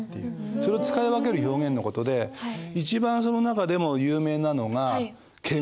それを使い分ける表現の事で一番その中でも有名なのが敬語。